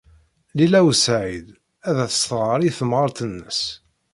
Lila u Saɛid ad as-tɣer i temɣart-nnes.